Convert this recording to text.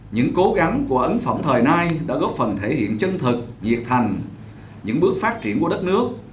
những cố gắng của ấn phẩm thời nay đã góp phần thể hiện chân thực nhiệt thành những bước phát triển của đất nước